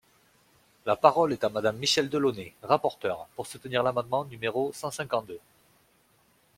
La parole est à Madame Michèle Delaunay, rapporteure, pour soutenir l’amendement numéro cent cinquante-deux.